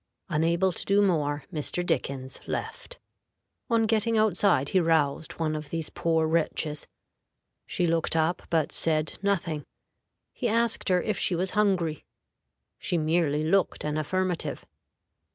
Unable to do more, Mr. Dickens left. On getting outside, he roused one of these poor wretches. She looked up, but said nothing. He asked her if she was hungry; she merely looked an affirmative.